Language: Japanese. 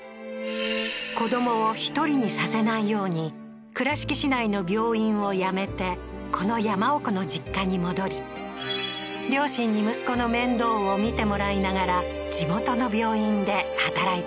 子どもを１人にさせないように倉敷市内の病院を辞めてこの山奥の実家に戻り両親に息子の面倒を見てもらいながら地元の病院で働いたそうだ